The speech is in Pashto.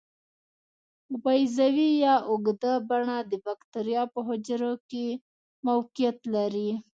په بیضوي یا اوږده بڼه د باکتریا په حجره کې موقعیت لري.